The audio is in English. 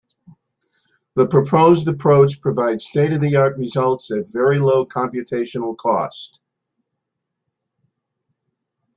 The proposed approach provides state-of-the-art results at very low computational cost.